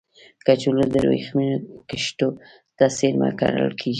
کچالو د ورېښمو کښت ته څېرمه کرل کېږي